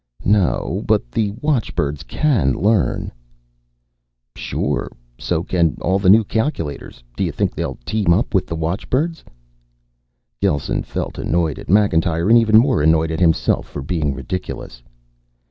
"No. But the watchbirds can learn." "Sure. So can all the new calculators. Do you think they'll team up with the watchbirds?" Gelsen felt annoyed at Macintyre, and even more annoyed at himself for being ridiculous.